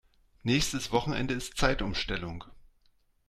Nächstes Wochenende ist Zeitumstellung.